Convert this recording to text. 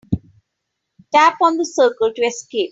Tap on the circle to escape.